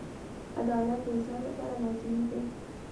• عدالت د انسان لپاره لازمي دی.